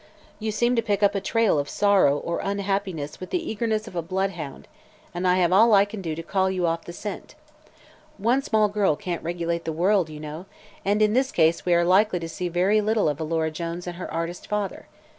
You seem to pick up a trail of sorrow or unhappiness with the eagerness of a bloodhound and I have all I can do to call you off the scent. One small girl can't regulate the world, you know, and in this case we are likely to see very little of Alora Jones and her artist father.